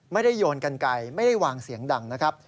โยนกันไกลไม่ได้วางเสียงดังนะครับ